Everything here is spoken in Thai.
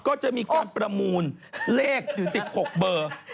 ก็จะมีการประมูลเลขถึง๑๖เบอร์